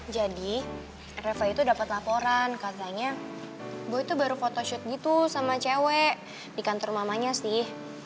jadi reva itu dapet laporan katanya boy itu baru photoshoot gitu sama cewek di kantor mamanya sih